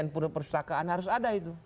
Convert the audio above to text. kemudian persetakaan harus ada itu